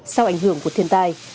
sau ảnh hưởng của thiên tài